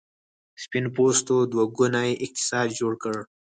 سپین پوستو دوه ګونی اقتصاد جوړ کړ.